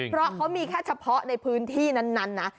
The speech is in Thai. เพราะเขามีแค่เฉพาะในพื้นที่นั้นนะ